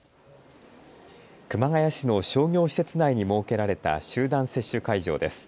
熊谷市の商業施設内に設けられた集団接種会場です。